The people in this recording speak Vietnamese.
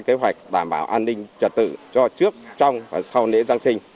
kế hoạch đảm bảo an ninh trật tự cho trước trong và sau lễ giáng sinh